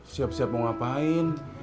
siap siap mau ngapain